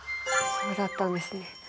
そうだったんですね。